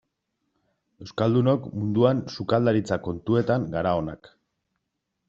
Euskaldunok munduan sukaldaritza kontuetan gara onak.